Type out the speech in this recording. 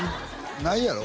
ないやろ？